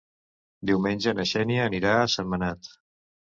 Diumenge na Xènia anirà a Sentmenat.